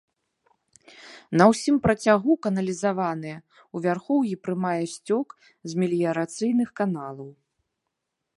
На ўсім працягу каналізаваная, у вярхоўі прымае сцёк з меліярацыйных каналаў.